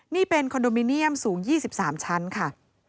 นี่เป็นคอนโดมิเนียมสูง๒๓ชั้นค่ะ